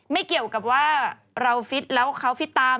ไม่เกี่ยวกับว่าเราฟิตแล้วเขาฟิตตาม